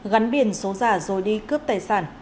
gắn biển số giả rồi đi cướp tài sản